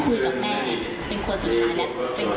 คุยกับแม่เป็นคนสุดท้ายแล้ว